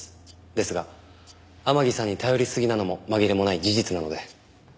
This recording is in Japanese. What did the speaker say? ですが天樹さんに頼りすぎなのも紛れもない事実なので。